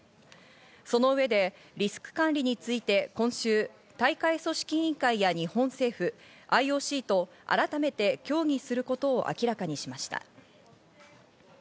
その上でリスク管理について今週、大会組織委員会や日本政府、ＩＯＣと改めて協議することを明らかにしました。